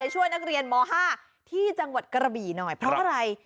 ช่วยนักเรียนม๕ที่จังหวัดกระบี่หน่อยเพราะอะไร